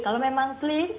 kalau memang clear